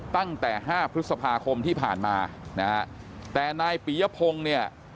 ตั้งแต่ห้าพฤษภาคมที่ผ่านมานะฮะแต่นายปียพงศ์เนี่ย